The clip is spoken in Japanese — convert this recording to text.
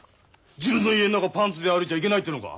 自分の家ん中パンツで歩いちゃいけないってのか。